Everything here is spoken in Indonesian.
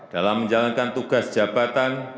dalam menjalankan tugas jabatan